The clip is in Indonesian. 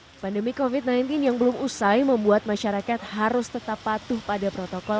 hai pandemi covid sembilan belas yang belum usai membuat masyarakat harus tetap patuh pada protokol